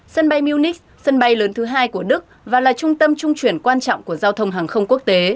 sân bay munich sân bay lớn thứ hai của đức và là trung tâm trung chuyển quan trọng của giao thông hàng không quốc tế